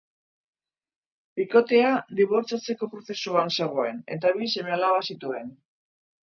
Bikotea dibortziatzeko prozesuan zegoen, eta bi seme-alaba zituen.